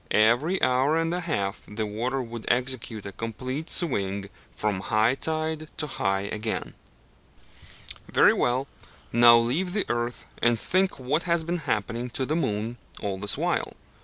Every hour and a half the water would execute a complete swing from high tide to high again. Very well, now leave the earth, and think what has been happening to the moon all this while.